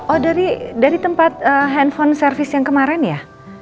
oh dari tempat handphone service yang kemarin ya